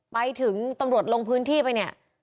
ไปถึงตำรวจลงพื้นที่ไปเนี่ย